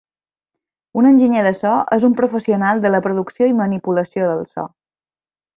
Un enginyer de so és un professional de la producció i manipulació del so.